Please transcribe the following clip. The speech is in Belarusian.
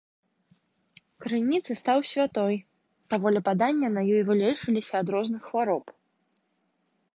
Крыніца стаў святой, паводле падання, на ёй вылечваліся ад розных хвароб.